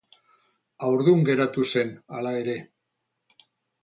Haurdun geratu zen, hala ere.